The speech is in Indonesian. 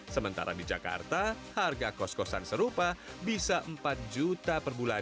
sementara di jakarta harga kos kosan rasa villa hanya berkisar satu lima sampai dua lima juta saja per bulan